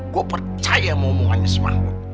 gue percaya ngomongannya si mahmud